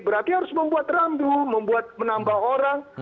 berarti harus membuat rambu membuat menambah orang